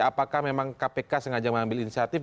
apakah memang kpk sengaja mengambil inisiatif